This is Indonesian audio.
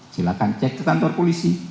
silakan cek ke kantor polisi